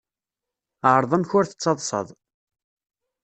Ɛreḍ amek ur tettaḍsaḍ.